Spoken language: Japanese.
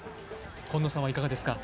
今野さんはいかがですか？